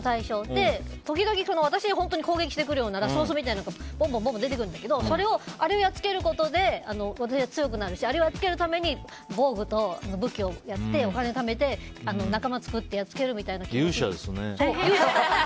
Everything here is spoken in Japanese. でも、時々攻撃してくるようなラスボスみたいなのがぼんぼん出てくるんですけどあれをやっつけることで私が強くなるしあれをやっつけるために防具と武器を買ってお金をためて仲間作って勇者ですね。